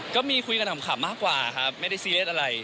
ก็มีคุยกันขำมากกว่าครับไม่ได้ซีเรียสอะไร